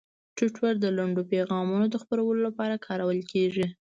ټویټر د لنډو پیغامونو د خپرولو لپاره کارول کېږي.